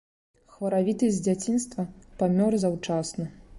Хваравіты з дзяцінства, памёр заўчасна.